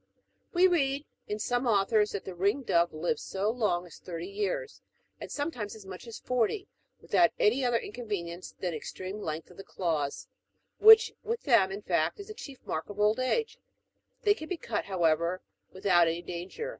"We read in some authors that the ring dove lives so long as thirty years, and sometimes as much as forty, without any other inconvenience than the extreme length of the claws, which with them, in fact, is the chief mark of old age ; they can be cut, however, without any danger.